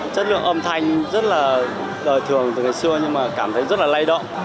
chất lượng âm thanh rất là đời thường từ ngày xưa nhưng mà cảm thấy rất là lây động